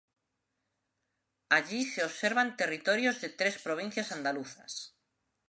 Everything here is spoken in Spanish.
Allí se observan territorios de tres provincias andaluzas.